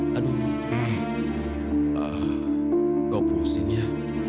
kau pusing ya